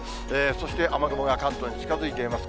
そして雨雲が関東に近づいています。